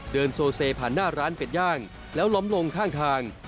เดินโซเซผ่านหน้าร้านเป็ดย่างแล้วล้มลงข้างทาง